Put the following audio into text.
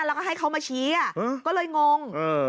แล้วก็ให้เขามาชี้ก็เลยงง